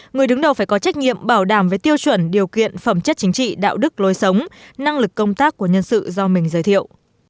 người đứng đầu phải có trách nhiệm bảo đảm với tiêu chuẩn điều kiện phẩm chất chính trị đạo đức lối sống năng lực công tác của nhân sự do mình giới thiệu